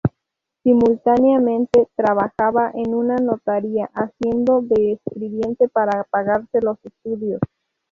Simultáneamente trabajaba en una notaría, haciendo de escribiente para pagarse los estudios.